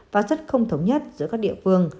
và rất không thống nhất giữa các địa phương